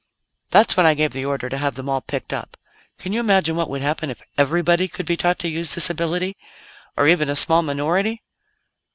"That's when I gave the order to have them all picked up. Can you imagine what would happen if everybody could be taught to use this ability? Or even a small minority?"